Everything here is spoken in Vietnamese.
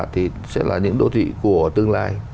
thì sẽ là những đô thị của tương lai